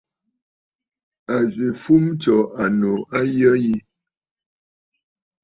A zwì fûm tso annù a yəgə yi.